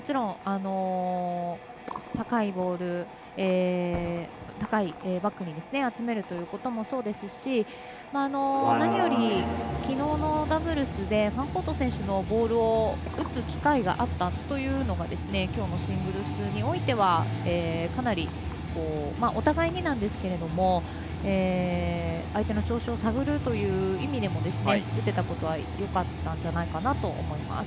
もちろん高いボールバックに集めるということもそうですし何より、昨日のダブルスでファンコート選手のボールを打つ機会があったというのが今日もシングルスにおいてはかなりお互いになんですけれども相手の調子を探るという意味でも打てたことはよかったんじゃないかなと思います。